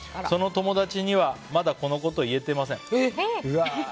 その友達にはまだこのことを言えていません。